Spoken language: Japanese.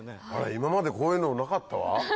今までこういうのなかったわ。